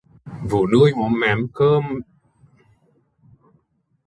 Vú nuôi móm cơm mem cho em bé